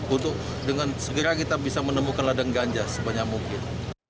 untuk dengan segera kita bisa menemukan ladang ganja sebanyak mungkin